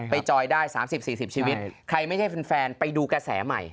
จอยได้๓๐๔๐ชีวิตใครไม่ใช่แฟนไปดูกระแสใหม่